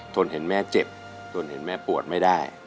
นเห็นแม่เจ็บทนเห็นแม่ปวดไม่ได้